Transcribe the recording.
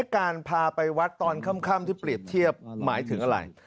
การพาไปวัดตอนค่ำที่เปรียบเทียบหมายถึงอะไร